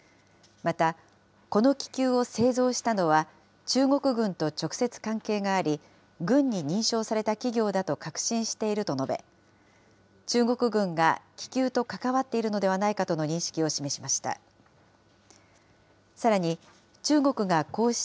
また、この気球を製造したのは、中国軍と直接関係があり、軍に認証された企業だと確信していると述べ、中国軍が気球と関わっているのではないかとの認識を示しました。